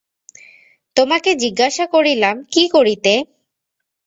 তােমাকে জিজ্ঞাসা করিলাম কি করিতে!